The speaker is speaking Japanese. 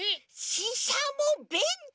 ししゃもべんとう！